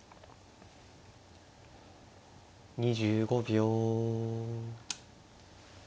２５秒。